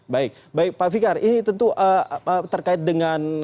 baik baik pak fikar ini tentu terkait dengan